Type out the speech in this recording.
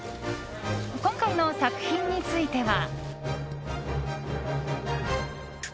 今回の作品については。